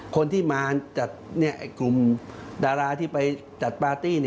คนที่มาจัดกลุ่มดาราที่ไปจัดปาร์ตี้